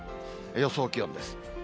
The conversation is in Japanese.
予想気温です。